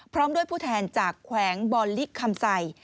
พร้อมด้วยผู้แทนจากแขวงบอลลิกคำใส่